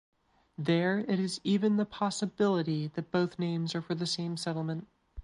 There it is even the possibility that both names are for the same settlement.